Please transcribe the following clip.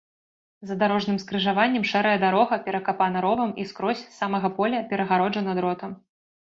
За дарожным скрыжаваннем шэрая дарога перакапана ровам і скрозь, з самага поля, перагароджана дротам.